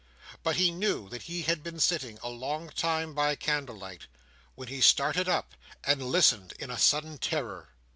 But he knew that he had been sitting a long time by candle light, when he started up and listened, in a sudden terror.